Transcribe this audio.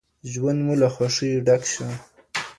ژوند مو له خوښیو ډک شه.